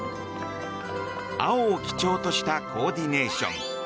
青を基調としたコーディネーション。